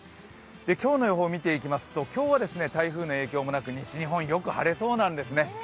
今日の予報を見ていきますと今日は台風の影響もなく西日本、よく晴れそうなんですね。